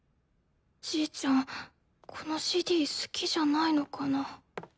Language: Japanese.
じいちゃんこのＣＤ好きじゃないのかな？